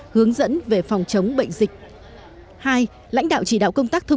hướng dẫn về phòng chống bệnh dịch